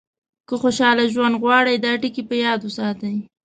که خوشاله ژوند غواړئ دا ټکي په یاد وساتئ.